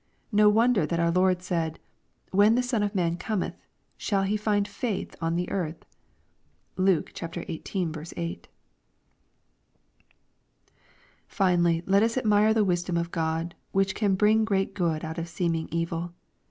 No wonder that our Lord . said, " When the Son of man cometh, shall He find^ faith on the earth ?" (Luke xviii. 8.) Finally, let us admire the wisdom of God, which can bring great good out of seeming evil.